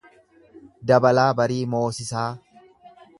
Dabalaa Barii Moosisaa